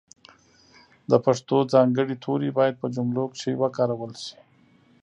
د پښتو ځانګړي توري باید په جملو کښې وکارول سي.